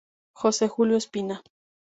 Jose Julio Espina.